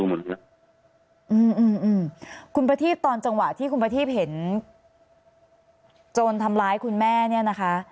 อืมคุณประทีบตอนจังหวะที่คุณประทีพเห็นโจรทำร้ายคุณแม่เนี่ยนะคะ